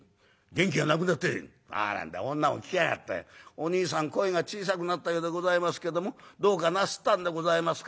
『おにいさん声が小さくなったようでございますけどもどうかなすったんでございますか？』